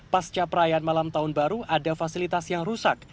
pasca perayaan malam tahun baru ada fasilitas yang rusak